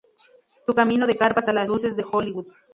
Su camino de carpas a las luces de Hollywood.